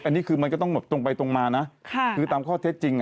อันนี้คือมันก็ต้องแบบตรงไปตรงมานะคือตามข้อเท็จจริง